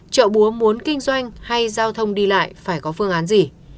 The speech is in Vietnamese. chợ búa muốn kinh doanh hay giao thông đi lại phải có phương án gì